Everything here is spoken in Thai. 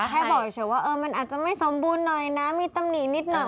แค่บอกเฉยว่ามันอาจจะไม่สมบูรณ์หน่อยนะมีตำหนินิดหน่อย